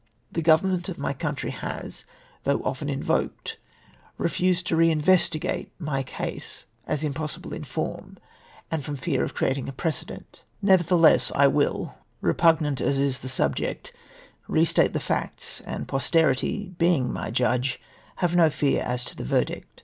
The Government of my country has, though often invoked, refused to re investigate my case, as impossible in form, and from fear of creating a precedent. jSTevcrtheless, I NECESSITY FOR ENTERING ON THE SUBJECT. 319 will, repugnant as is the subject, re state the facts, and, posterity being my judge, have no fear as to the verdict.